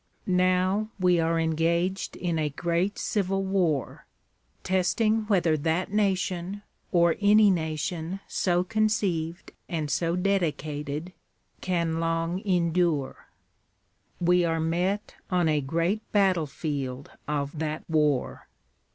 Now we are engaged in a great civil war. . .testing whether that nation, or any nation so conceived and so dedicated. .. can long endure. We are met on a great battlefield of that war.